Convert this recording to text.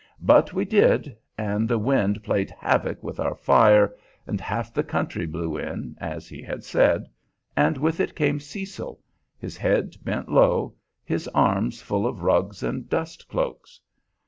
But we did, and the wind played havoc with our fire, and half the country blew in, as he had said, and with it came Cecil, his head bent low, his arms full of rugs and dust cloaks.